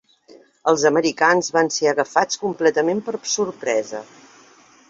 Els americans van ser agafats completament per sorpresa.